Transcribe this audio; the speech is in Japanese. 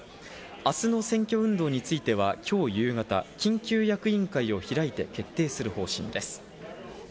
普通の選挙運動については今日夕方、緊急役員会を開いて決定する方針です。